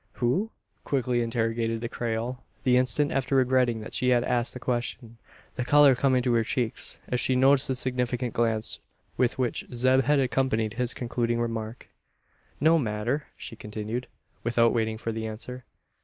"Who?" quickly interrogated the Creole, the instant after regretting that she had asked the question the colour coming to her cheeks, as she noticed the significant glance with which Zeb had accompanied his concluding remark. "No matter," she continued, without waiting for the answer.